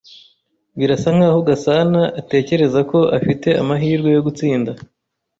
Birasa nkaho Gasanaatatekereza ko afite amahirwe yo gutsinda.